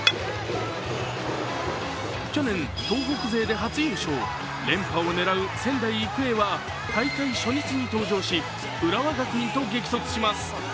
去年、東北勢で初優勝連覇を狙う仙台育英は大会初日に登場し浦和学院と激突します。